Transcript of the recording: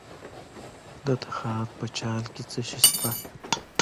د تخار په چال کې څه شی شته؟